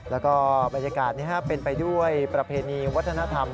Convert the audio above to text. แล้วก็บรรยากาศนี้เป็นไปด้วยประเพณีวัฒนธรรม